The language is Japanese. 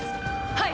はい！